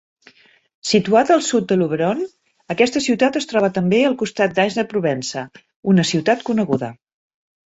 Situat al sud de Luberon, aquesta ciutat es troba també al costat d'Ais de Provença, una ciutat coneguda.